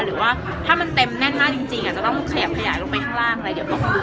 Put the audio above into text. หรือว่าถ้ามันเต็มแน่นมากจริงอาจจะต้องขยับขยายลงไปข้างล่างอะไรเดี๋ยวก่อน